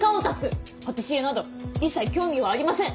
パティシエなど一切興味はありません！